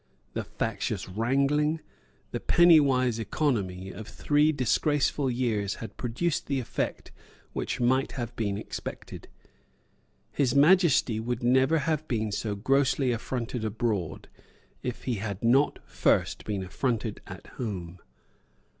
The factious wrangling, the penny wise economy, of three disgraceful years had produced the effect which might have been expected. His Majesty would never have been so grossly affronted abroad, if he had not first been affronted at home.